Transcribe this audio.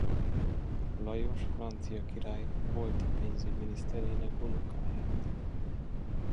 Lajos francia király volt pénzügyminiszterének unokáját.